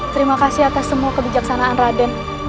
terima kasih atas semua kebijaksanaan raden